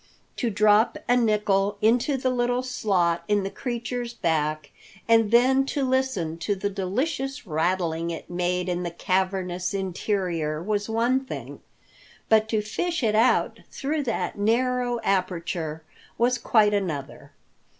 To drop a nickel into the little slot in the creature's back, and then to listen to the delicious rattling it made in the cavernous interior was one thing, but to fish it out through that narrow aperture was quite another.